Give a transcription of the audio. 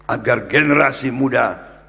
agar generasi muda